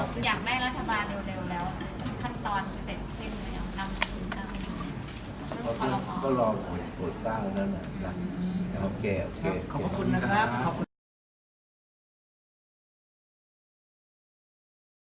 ขอบคุณขอบคุณขอบคุณขอบคุณครับ